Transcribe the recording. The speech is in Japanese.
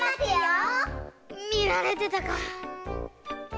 みられてたかぁ。